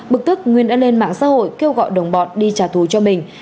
bực tức nguyên đã lên mạng xã hội kêu gọi đồng bọn đi trả thù cho mình